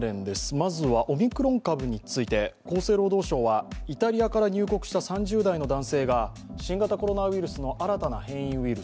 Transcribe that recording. まずはオミクロン株について、厚生労働省はイタリアから入国した３０代の男性が新型コロナウイルスの新たな変異ウイル